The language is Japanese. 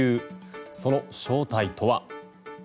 その正体とは。